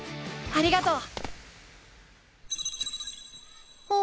あありがとう。